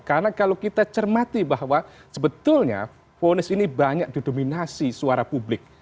karena kalau kita cermati bahwa sebetulnya ponis ini banyak didominasi suara publik